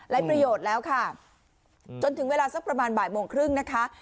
ประโยชน์แล้วค่ะจนถึงเวลาสักประมาณบ่ายโมงครึ่งนะคะ